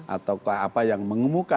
atau apa yang mengemuka